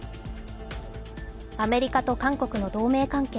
アメリカと韓国の同盟関係